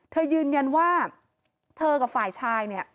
เธอยืนยันว่าเธอกับฝ่ายชาย